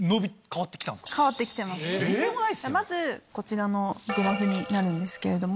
まずこちらのグラフになるんですけれども。